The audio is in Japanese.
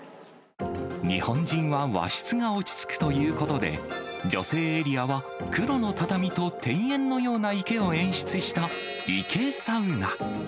日本人は和室が落ち着くということで、女性エリアは黒の畳と庭園のような池を演出したＩＫＥサウナ。